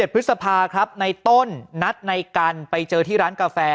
พฤษภาครับในต้นนัดในกันไปเจอที่ร้านกาแฟ